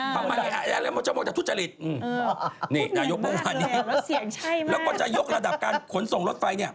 พอมาอายแอเนลมงก็จะมองจะทุจจริตนี่นายกฤวะนี้แล้วก็จะยกระดับการขนส่งรถไฟเนี่ย